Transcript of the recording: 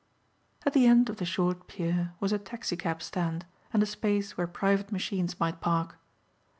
At the end of the short pier was a taxicab stand and a space where private machines might park.